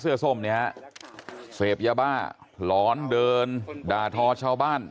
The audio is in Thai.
ผู้หญิงในคลิปเสื้อสมเนี่ยเสพยาบ้าหลอนเดินด่าทอชาวบ้าน